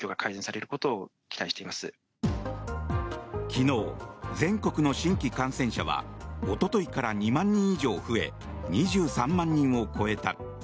昨日、全国の新規感染者はおとといから２万人以上増え２３万人を超えた。